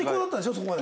そこまで。